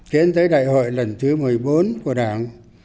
tiến tới đại hội lần thứ một mươi bốn của đảng